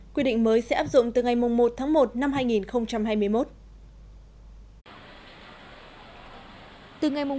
quy định mới sẽ áp dụng từ ngày một một hai nghìn hai mươi một